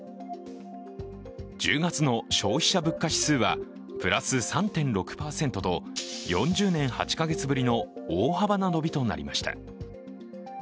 １０月の消費者物価指数はプラス３．６％と４０年８か月ぶりの大幅な伸びとなりました。